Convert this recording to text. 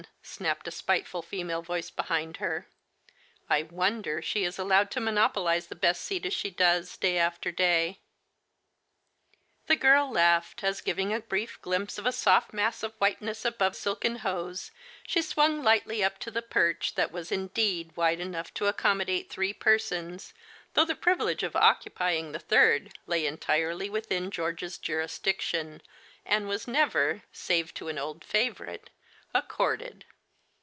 " snapped a spiteful female voice behind her. I wonder she is allowed to monopolize the best seat as she does, day after day !" The girl laughed, as, giving a brief glimpse of a soft mass of whiteness above silken hose, she swung lightly up to the perch that was indeed wide enough to accommodate three persons, though the privilege of occupying the third lay entirely within George's jurisdiction, and was never, save to an old favorite, accorded.